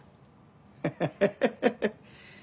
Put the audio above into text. ハハハハ。